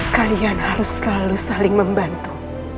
kalian harus selalu saling membantu